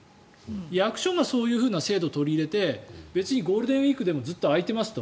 役所がそういうふうな制度を取り入れて別にゴールデンウィークでもずっと開いていますと。